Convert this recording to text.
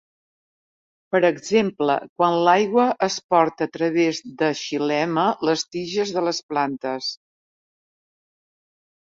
Per exemple, quan l'aigua es porta a través de xilema les tiges de les plantes.